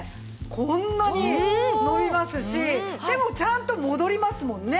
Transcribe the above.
こんなに伸びますしでもちゃんと戻りますもんね。